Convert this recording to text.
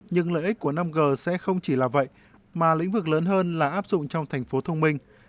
nhưng lợi ích của năm g sẽ không chỉ là vậy mà lĩnh vực lớn hơn là áp dụng trong thành phố thông minh